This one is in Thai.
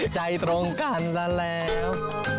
ใจตรงกันซะแล้ว